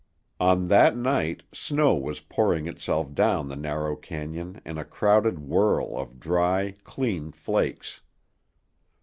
On that night, snow was pouring itself down the narrow cañon in a crowded whirl of dry, clean flakes.